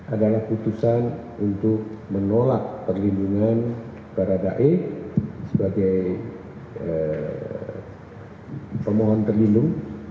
adalah putusan untuk menolak perlindungan baradae sebagai pemohon terlindung